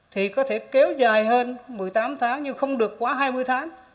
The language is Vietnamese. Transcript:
thì có thể kéo dài hơn một mươi tám tháng nhưng không được quá hai mươi tháng